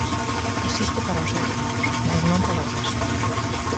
Existe para os seus fillos, mais non para o resto.